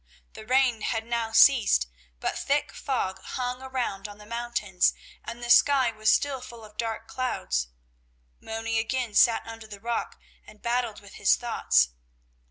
The rain had now ceased, but thick fog hung around on the mountains, and the sky was still full of dark clouds. Moni again sat under the rock and battled with his thoughts.